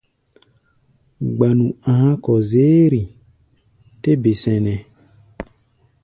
Gbanu a̧á̧ kɔ-zérʼi? tɛ́ be sɛnɛ́.